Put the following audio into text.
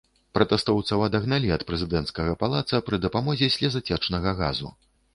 Пратэстоўцаў адагналі ад прэзідэнцкага палаца пры дапамозе слёзацечнага газу.